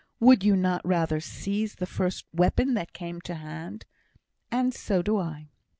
Would you not rather seize the first weapon that came to hand? And so do I.